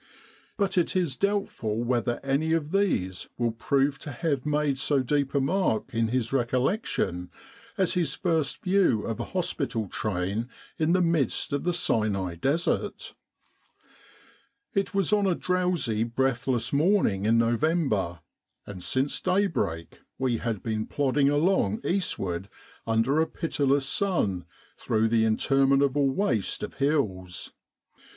But it is doubtful whether any of these will prove to have made so deep a mark in his recollection as his first view of a hospital train in the midst of the Sinai Desert. It was on a drowsy breathless morning in Nov ember, and since daybreak we had been plodding along eastward under a pitiless sun through the in terminable waste of hills.